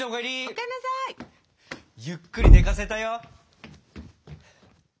お帰んなさい！ゆっくり寝かせたよ！